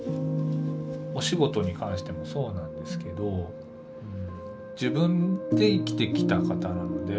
お仕事に関してもそうなんですけど自分で生きてきた方なので。